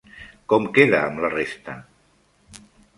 Com queda amb la resta?